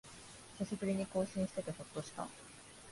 久しぶりに更新しててほっとした